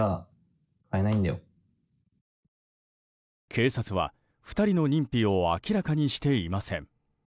警察は２人の認否を明らかにしていません。